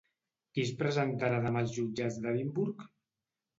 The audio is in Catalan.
Qui es presentarà demà als jutjats d'Edimburg?